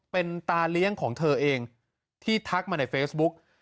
เป็นตาเลี้ยงของเธอเองที่ทักมาในเฟซบุ๊ก